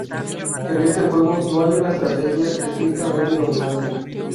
En este juego no hay una estrategia estrictamente dominante.